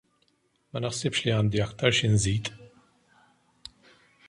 Ma naħsibx li għandi aktar xi nżid.